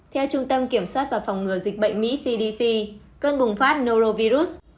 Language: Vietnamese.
theo trung tâm kiểm soát và phòng ngừa dịch bệnh mỹ cdc cơn bùng phát norovius